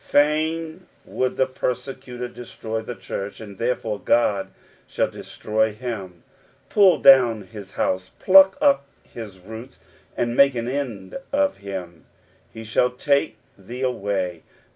Fain would the persecutor destroy the church, and therefore Ood shall destroy him, pull down his house, pluck up his roots, and make an end of him. " ffe thou take thee away."